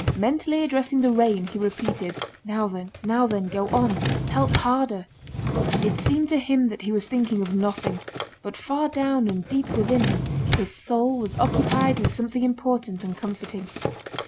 Mentally addressing the rain, he repeated: "Now then, now then, go on! Pelt harder!" It seemed to him that he was thinking of nothing, but far down and deep within him his soul was occupied with something important and comforting.